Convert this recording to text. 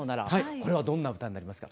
これはどんな歌になりますか？